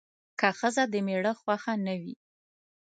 که ښځه د میړه خوښه نه وي